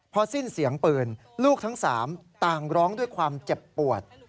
พอสิ้นเสียงปืนลูกทั้ง๓ต่างร้องด้วยความเจ็บปวด